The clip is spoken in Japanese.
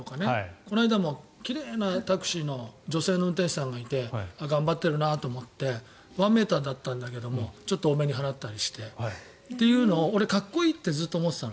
この間も奇麗なタクシーの女性の運転手さんがいて頑張ってるなと思ってワンメーターだったんだけどちょっと多めに払ったりして。というのをかっこいいって俺はずっと思っていたの。